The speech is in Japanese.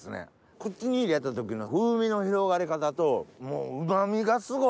口に入れた時の風味の広がり方ともううま味がすごい！